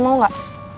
lu mau gak